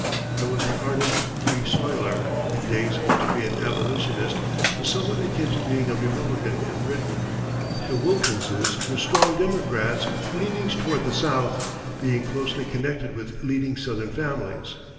I was an ardent Free Soiler in days when to be an abolitionist was somewhat akin to being a republican in Britain. The Wilkinses were strong Democrats with leanings toward the South, being closely connected with leading Southern families.